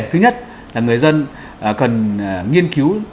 thứ nhất là người dân cần nghiên cứu